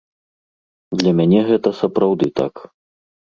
Для мяне гэта сапраўды так.